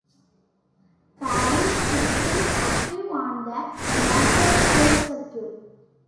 Parrish is still active on the northern soul circuit.